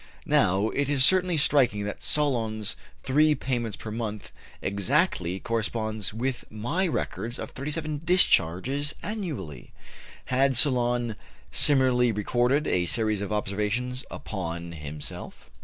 " Now it is certainly striking that Solon's "three payments per month" exactly correspond with my records of 37 discharges annually. Had Solon similarly recorded a series of observations upon himself?